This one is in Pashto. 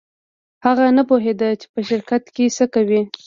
هغه نه پوهېده چې په شرکت کې څه کوي.